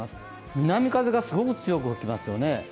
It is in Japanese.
南風がすごく強く吹きますよね。